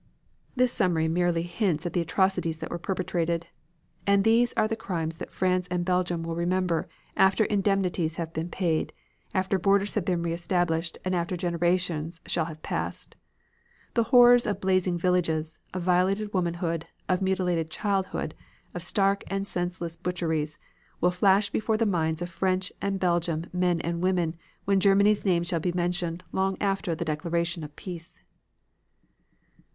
This summary merely hints at the atrocities that were perpetrated. And these are the crimes that France and Belgium will remember after indemnities have been paid, after borders have been re established and after generations shall have past. The horrors of blazing villages, of violated womanhood, of mutilated childhood, of stark and senseless butcheries, will flash before the minds of French and Belgian men and women when Germany's name shall be mentioned long after the declaration of peace.